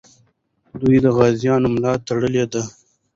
دوی د غازیانو ملا تړلې ده.